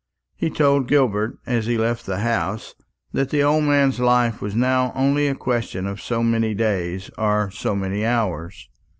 He told Gilbert, as he left the house, that the old man's life was now only a question of so many days or so many hours.